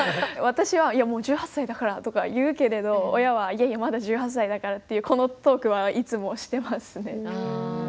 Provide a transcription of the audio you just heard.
私は「いやもう１８歳だから」とか言うけれど親は「いやいやまだ１８歳だから」っていうこのトークはいつもしてますね。